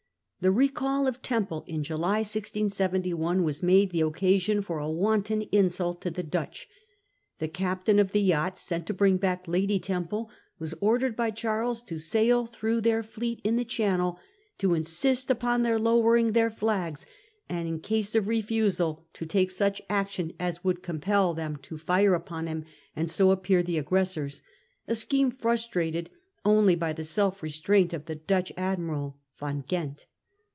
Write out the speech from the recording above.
The recall of Temple in July 1671 was made the occasion for a wanton insult to the Dutch. The captain of the yacht sent to bring back Lady Temple was ordered by Charles to sail through their fleet in the Channel, to insist upon their lowering their flags, and in case of refusal to take such action as would compel them to fire upon him, and so appear the aggressors — a scheme frus trated only by the self restraint of the Dutch admiral, 202 The Dutch Republic before the War \ 1672. Van Ghent.